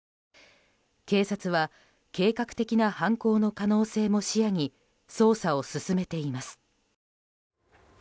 警察は計画的な犯行の可能性も視野に捜査を進めています。